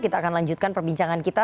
kita akan lanjutkan perbincangan kita